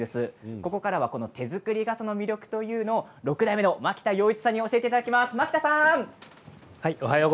ここからは手作り傘の魅力を６代目の槙田洋一さんに教えていただきます。